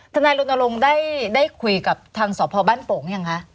ทนายลุณลงได้คุยกับทางสหพบ้านโป่งอย่างไร